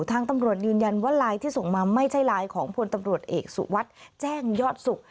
ทางตำรวจยืนยันว่าไลน์ที่ส่งมาไม่ใช่ไลน์ของพลตำรวจเอกสุวัสดิ์แจ้งยอดสุข